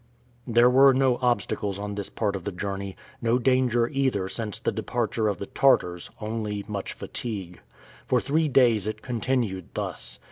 There were no obstacles on this part of the journey, no danger either since the departure of the Tartars, only much fatigue. For three days it continued thus.